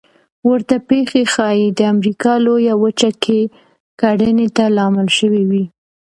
ورته پېښې ښایي د امریکا لویه وچه کې کرنې ته لامل شوې وي